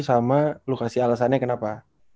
sama lu kasih alasannya kenapa